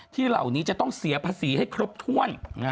เหล่านี้จะต้องเสียภาษีให้ครบถ้วน